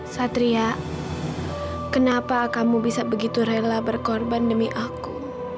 satria kenapa kamu bisa begitu rela berkorban demi aku